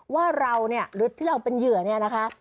ว่าเราเนี่ยหรือที่เราเป็นเหยื่อเนี่ยนะคะ